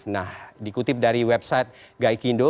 nah dikutip dari website gaikindo